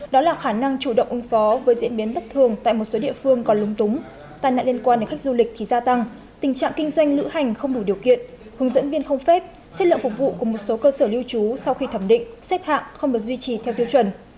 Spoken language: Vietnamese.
đó là khả năng chủ động ứng phó với diễn biến bất thường tại một số địa phương còn lúng túng tai nạn liên quan đến khách du lịch thì gia tăng tình trạng kinh doanh lữ hành không đủ điều kiện hướng dẫn viên không phép chất lượng phục vụ của một số cơ sở lưu trú sau khi thẩm định xếp hạng không được duy trì theo tiêu chuẩn